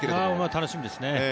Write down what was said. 楽しみですね。